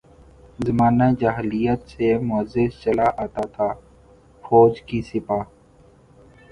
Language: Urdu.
زمانہ جاہلیت سے معزز چلا آتا تھا، فوج کی سپہ